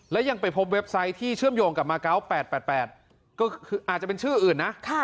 และยังไปพบเว็บไซต์ที่เชื่อมโยงกับมาเกาะ๘๘ก็คืออาจจะเป็นชื่ออื่นนะ